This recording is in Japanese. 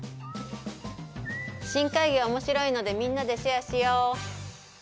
深海魚はおもしろいのでみんなでシェアしよう。